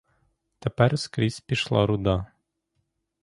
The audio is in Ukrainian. Тепер скрізь пішла руда.